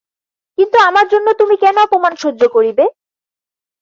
কিন্তু আমার জন্য তুমি কেন অপমান সহ্য করিবে?